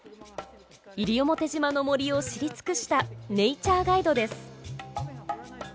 西表島の森を知り尽くしたネイチャーガイドです。